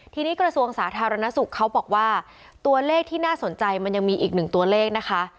ทีนี้กระทรวงสาธารณสุขเขาบอกว่าตัวเลขที่น่าสนใจมันยังมีอีกหนึ่งตัวเลขนะคะ